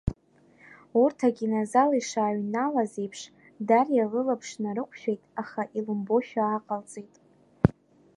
Урҭ акинозал ишааҩналаз еиԥш, Дариа лылаԥш нарықәшәеит, аха илымбошәа ааҟалҵеит.